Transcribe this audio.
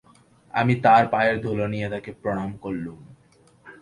আমি তাঁর পায়ের ধুলো নিয়ে তাঁকে প্রণাম করলুম।